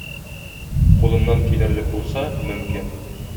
Кулымнан килерлек булса, мөмкин.